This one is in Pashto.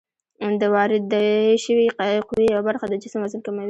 د واردې شوې قوې یوه برخه د جسم وزن کموي.